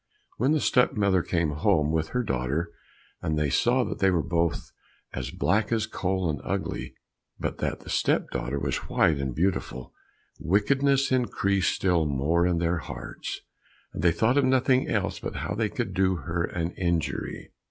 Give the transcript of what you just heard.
When the step mother came home with her daughter, and they saw that they were both as black as coal and ugly, but that the step daughter was white and beautiful, wickedness increased still more in their hearts, and they thought of nothing else but how they could do her an injury.